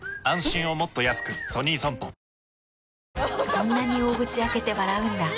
そんなに大口開けて笑うんだ。